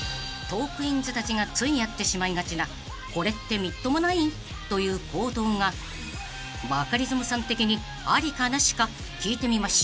［トークィーンズたちがついやってしまいがちなこれってみっともない？という行動がバカリズムさん的にありかなしか聞いてみましょう］